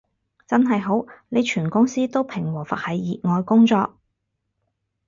真係好，你全公司都平和佛系熱愛工作